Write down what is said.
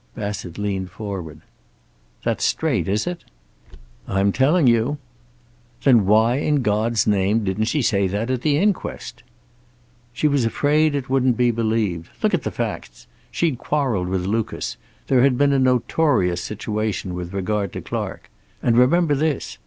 Bassett leaned forward. "That's straight, is it?" "I'm telling you." "Then why in God's name didn't she say that at the inquest?" "She was afraid it wouldn't be believed. Look at the facts. She'd quarreled with Lucas. There had been a notorious situation with regard to Clark. And remember this.